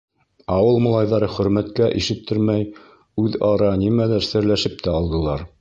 Ауыл малайҙары Хөрмәткә ишеттермәй, үҙ-ара нимәлер серләшеп тә алдылар.